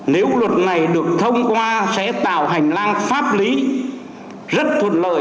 nếu luật này được thông qua sẽ tạo hành lang pháp lý rất thuận lợi